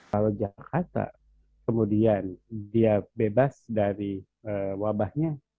kalau jakarta kemudian dia bebas dari wabahnya